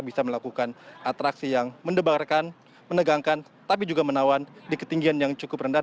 bisa melakukan atraksi yang mendebarkan menegangkan tapi juga menawan di ketinggian yang cukup rendah